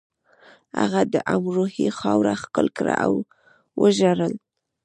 هغه د امروهې خاوره ښکل کړه او وژړل